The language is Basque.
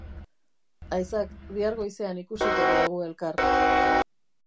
Aizak, bihar goizean ikusiko diagu elkar.